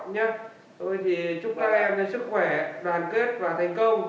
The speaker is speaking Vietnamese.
chúc các em sức khỏe đoàn kết và thành công